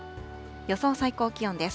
予想最高気温です。